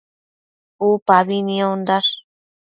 Upabi niondash